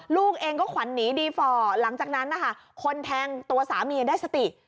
ลูกเองก็ขวัญหนีดีฟอร์หลังจากนั้นนะคะคนแทงตัวสามีได้สติ